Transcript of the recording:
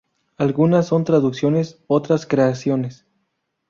Algunas son traducciones, otras creaciones.